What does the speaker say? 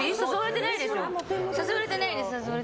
誘われてないです。